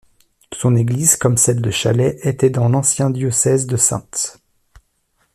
Son église, comme celle de Chalais, était dans l'ancien diocèse de Saintes.